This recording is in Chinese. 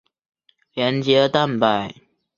连接蛋白。